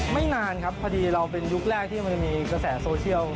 ไม่นานครับเราเป็นยุคแรกที่มีกระแสโซเชียล